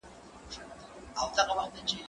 هغه څوک چي ښه خبري کوي اغېز لري!.